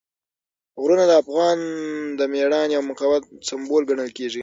غرونه د افغانانو د مېړانې او مقاومت سمبول ګڼل کېږي.